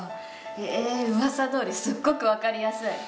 へえうわさどおりすっごくわかりやすい！